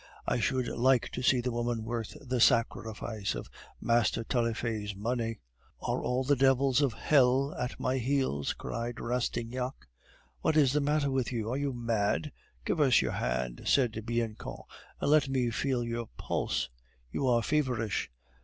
I should like to see the woman worth the sacrifice of Master Taillefer's money!" "Are all the devils of hell at my heels?" cried Rastignac. "What is the matter with you? Are you mad? Give us your hand," said Bianchon, "and let me feel your pulse. You are feverish."